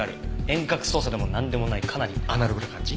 遠隔操作でもなんでもないかなりアナログな感じ？